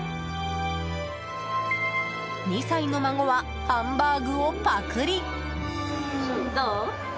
２歳の孫はハンバーグをぱくり！